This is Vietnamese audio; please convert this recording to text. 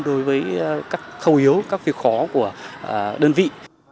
để khâu yếu các việc khó của đơn vị